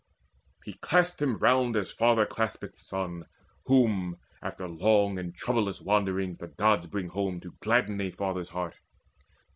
He clasped him round as father claspeth son Whom, after long and troublous wanderings, The Gods bring home to gladden a father's heart.